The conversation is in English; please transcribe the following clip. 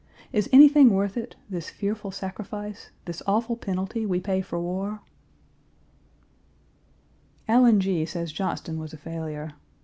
Is anything worth it this fearful sacrifice, this awful penalty we pay for war? Allen G. says Johnston was a failure.